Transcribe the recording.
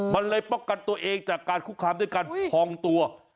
มันเลยป้องกันตัวเองจากการคุกคามด้วยการพองตัว